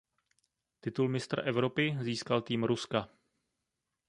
Titul mistra Evropy získal tým Ruska.